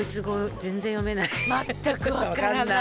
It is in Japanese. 全く分からない。